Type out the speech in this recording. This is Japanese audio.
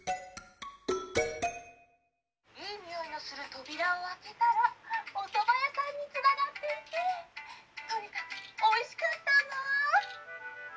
「いいにおいのする扉を開けたらおそば屋さんにつながっていてとにかくおいしかったんだ」。